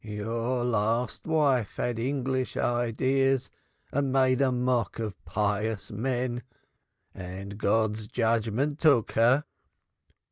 Your last wife had English ideas and made mock of pious men and God's judgment took her.